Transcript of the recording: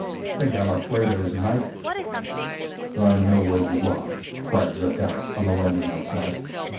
"Think I'm afraid of his knife?" "I know where you are," cried Zerkow, on the landing outside.